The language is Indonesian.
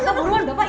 sambung luar bapak